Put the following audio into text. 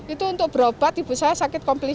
itu untuk berobat ibu saya sakit komplit